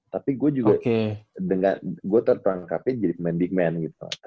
tapi gua juga gua terperangkapnya jadi pemain big man gitu